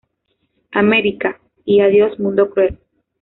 America" y "Adiós mundo cruel".